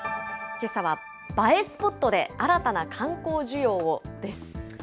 けさは映えスポットで新たな観光需要をです。